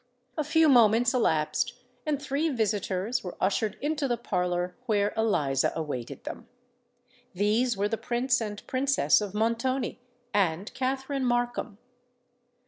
A few moments elapsed; and three visitors were ushered into the parlour where Eliza awaited them. These were the Prince and Princess of Montoni and Katherine Markham.